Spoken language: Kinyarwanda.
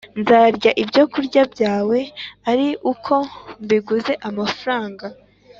Nzarya ibyokurya byawe ari uko mbiguze amafaranga,